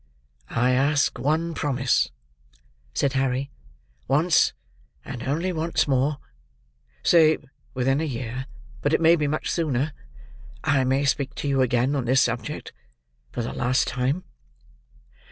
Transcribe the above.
"I ask one promise," said Harry. "Once, and only once more,—say within a year, but it may be much sooner,—I may speak to you again on this subject, for the last time."